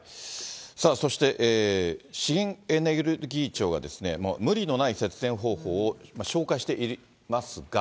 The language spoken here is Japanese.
そして資源エネルギー庁が、もう無理のない節電方法を紹介していますが。